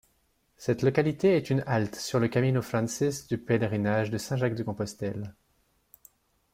Cette localité est une halte sur le Camino francés du Pèlerinage de Saint-Jacques-de-Compostelle.